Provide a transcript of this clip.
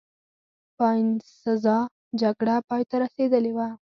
د باینسزا جګړه پایته رسېدلې وه.